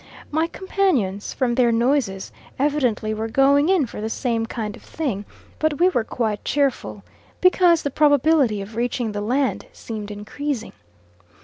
my companions, from their noises, evidently were going in for the same kind of thing, but we were quite cheerful, because the probability of reaching the land seemed increasing.